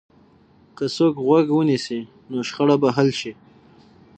که څوک غوږ ونیسي، نو شخړه به حل شي.